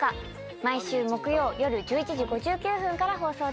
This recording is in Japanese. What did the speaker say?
毎週木曜夜１１時５９分から放送です。